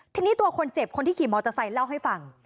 ทีนี้ตัวคนเจ็บคนที่ขี่มอเตอร์ไซค์เล่าให้ฟัง